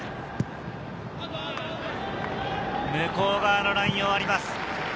向こう側のラインを割ります。